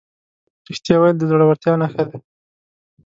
رښتیا ویل د زړهورتیا نښه ده.